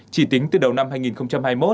chỉ tính từ đầu năm hai nghìn hai mươi một